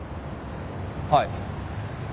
はい。